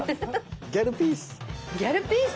ギャルピース。